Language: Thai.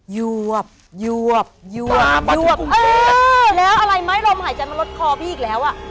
ยวบยวบยวบยวบเออแล้วอะไรไหมลมหายใจมันลดคอพี่อีกแล้วอ่ะ